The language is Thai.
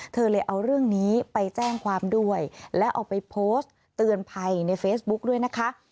เธอเลยเอาเรื่องนี้ไปแจ้งความด้วยแล้วเอาไปโพสต์เตือนภัยในเฟซบุ๊กด้วยนะคะ